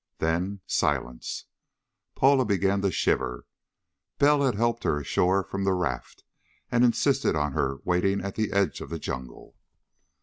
Then silence. Paula began to shiver. Bell had helped her ashore from the raft and insisted on her waiting at the edge of the jungle.